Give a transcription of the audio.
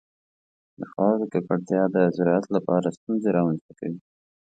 د خاورې ککړتیا د زراعت لپاره ستونزې رامنځته کوي.